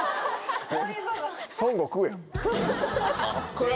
これ。